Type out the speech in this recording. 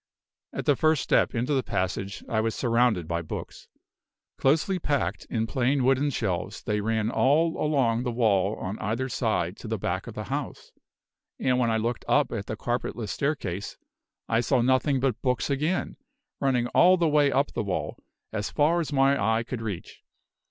At the first step into the passage, I was surrounded by books. Closely packed in plain wooden shelves, they ran all along the wall on either side to the back of the house; and when I looked up at the carpetless staircase, I saw nothing but books again, running all the way up the wall, as far as my eye could reach.